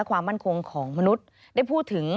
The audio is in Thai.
ความมั่นคงของมนุษย์ได้พูดถึง